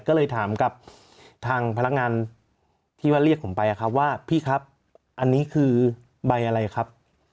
ก็เลยถามกับทางพนักงานที่ว่าเรียกผมไปครับว่าพี่ครับอันนี้คือใบอะไรครับ